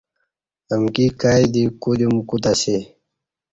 امکی کائی دی کودیوم کوتہ اسی